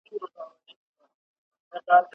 ¬ موږ ئې غله تا دي خدای را جوړ کي.